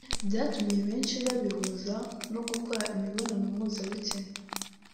byatumye benshi babihuza no gukora imibonano mpuzabitsina